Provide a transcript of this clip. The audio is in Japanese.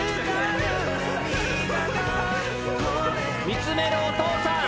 見つめるお父さん。